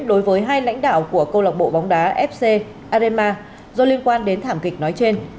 đối với hai lãnh đạo của câu lạc bộ bóng đá fc arema do liên quan đến thảm kịch nói trên